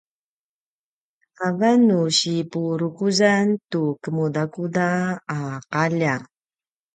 avan nu sipurukuzan tu kemudakuda a qalja